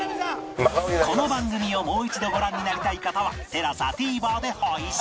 この番組をもう一度ご覧になりたい方は ＴＥＬＡＳＡＴＶｅｒ で配信